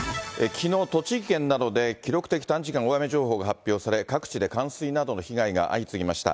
きのう、栃木県などで記録的短時間大雨情報が発表され、各地で冠水などの被害が相次ぎました。